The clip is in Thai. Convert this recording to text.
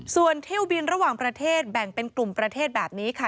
ส่วนเที่ยวบินระหว่างประเทศแบ่งเป็นกลุ่มประเทศแบบนี้ค่ะ